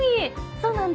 そうなんだ？